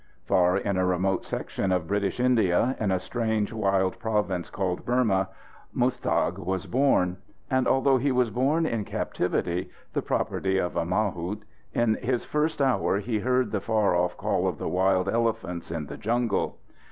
Far in a remote section of British India, in a strange, wild province called Burma, Muztagh was born. And although he was born in captivity, the property of a mahout, in his first hour he heard the far off call of the wild elephants in the jungle.